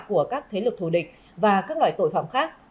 của các thế lực thù địch và các loại tội phạm khác